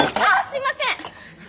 すいません。